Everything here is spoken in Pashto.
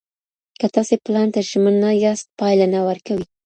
که تاسي پلان ته ژمن نه ياست، پايله نه ورکوئ.